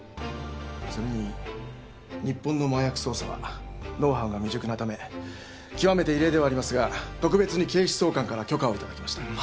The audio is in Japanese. それに日本の麻薬捜査はノウハウが未熟なため極めて異例ではありますが特別に警視総監から許可を頂きました。